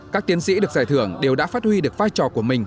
các tiến sĩ được giải thưởng đều đã phát huy được vai trò của mình